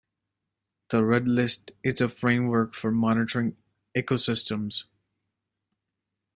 The Red List is a framework for monitoring ecosystems.